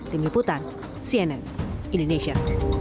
tim liputan cnn indonesia